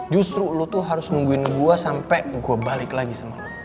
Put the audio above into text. justru lu tuh harus nungguin gue sampe gue balik lagi sama lu